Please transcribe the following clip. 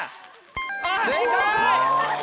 正解！